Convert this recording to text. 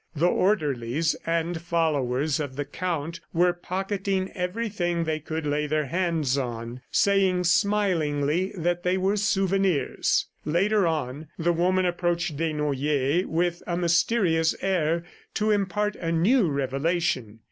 The orderlies and followers of the Count were pocketing everything they could lay their hands on, saying smilingly that they were souvenirs. Later on the woman approached Desnoyers with a mysterious air to impart a new revelation.